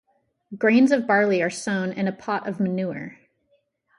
Grains of barley are sown in a pot of manure.